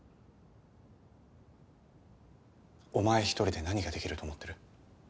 お前一人で何ができると思ってる？